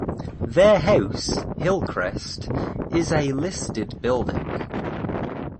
Their house, Hillcrest, is a listed building.